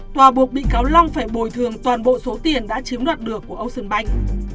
tòa buộc bị cáo long phải bồi thường toàn bộ số tiền đã chiếm đoạt được của ocean bank